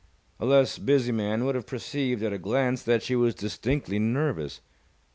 A less busy man would have perceived at a glance that she was distinctly nervous.